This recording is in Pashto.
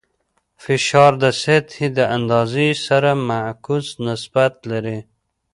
فشار د سطحې د اندازې سره معکوس نسبت لري.